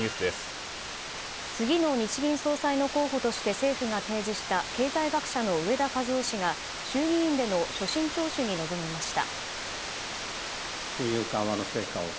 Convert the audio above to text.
次の日銀総裁の候補として政府が提示した経済学者の植田和男氏が衆議院での所信聴取に臨みました。